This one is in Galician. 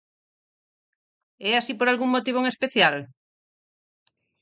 É así por algún motivo en especial?